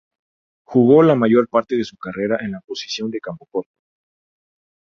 Jugó la mayor parte de su carrera en la posición de campocorto.